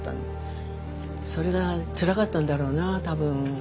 それがつらかったんだろうな多分。